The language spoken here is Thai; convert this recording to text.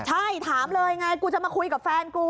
ใช่ถามเลยไงกูจะมาคุยกับแฟนกู